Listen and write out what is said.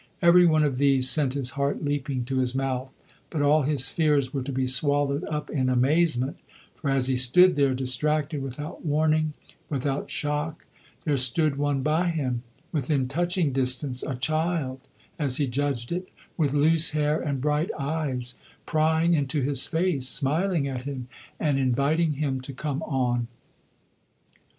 Every one of these sent his heart leaping to his mouth; but all his fears were to be swallowed up in amazement, for as he stood there distracted, without warning, without shock, there stood one by him, within touching distance, a child, as he judged it, with loose hair and bright eyes, prying into his face, smiling at him and inviting him to come on.